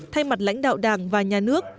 thay mặt lãnh đạo đảng và nhà nước